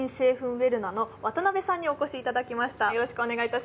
ウェルナの渡辺さんにお越しいただきました。